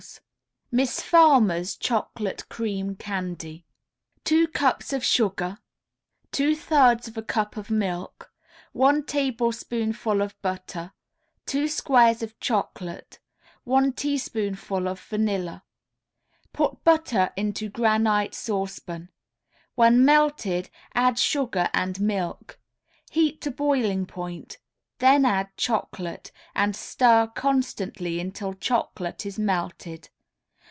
_ MISS FARMER'S CHOCOLATE CREAM CANDY 2 cups of sugar, 2/3 a cup of milk, 1 tablespoonful of butter, 2 squares of chocolate, 1 teaspoonful of vanilla. Put butter into granite saucepan; when melted add sugar and milk. Heat to boiling point; then add chocolate, and stir constantly until chocolate is melted.